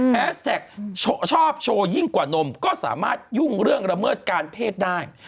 แสกชอบโชว์ยิ่งกว่านมก็สามารถยุ่งเรื่องระเมิดการเพศได้